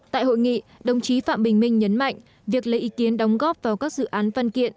tại hội nghị đồng chí phạm bình minh nhấn mạnh việc lấy ý kiến đóng góp vào các dự án văn kiện